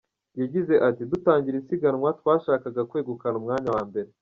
Yagize ati “Dutangira isiganwa twashakaga kwegukana umwanya wa mbere.